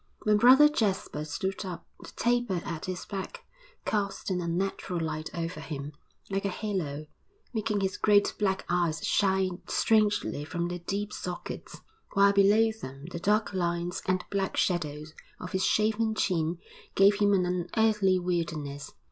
When Brother Jasper stood up, the taper at his back cast an unnatural light over him, like a halo, making his great black eyes shine strangely from their deep sockets, while below them the dark lines and the black shadow of his shaven chin gave him an unearthly weirdness.